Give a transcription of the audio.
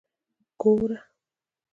ګوره.